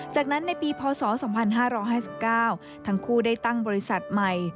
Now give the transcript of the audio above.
จากนั้นในปีพศ๒๕๕๙ทั้งคู่ได้ตั้งบริษัทใหม่